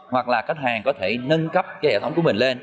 hoặc là khách hàng có thể nâng cấp cái hệ thống của mình lên